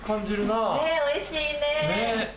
ねぇおいしいね！